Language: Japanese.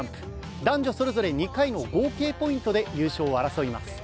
男女それぞれ２回の合計ポイントで優勝を争います。